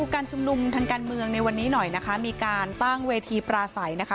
การชุมนุมทางการเมืองในวันนี้หน่อยนะคะมีการตั้งเวทีปราศัยนะคะ